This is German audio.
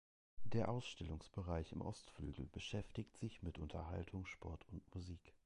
Der Ausstellungsbereich im Ostflügel beschäftigt sich mit Unterhaltung, Sport und Musik.